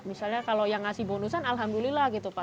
misalnya kalau yang ngasih bonusan alhamdulillah gitu pak